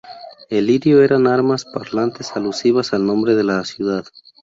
El lirio eran armas parlantes alusivas al nombre de la ciudad.